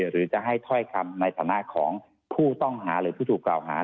หรือจะให้ถ้อยคำในฐานะของผู้ต้องหาหรือผู้ถูกกล่าวหา